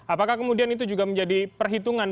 apakah kemudian itu juga menjadi perhitungan